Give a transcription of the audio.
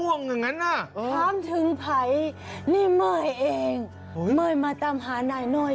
โอ้ยเมื่อเองน้ายน้อย